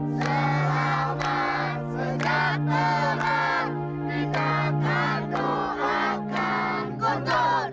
selamat sejak terang kita akan doakan guntur